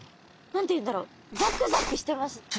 何て言うんだろうザクザクしてます。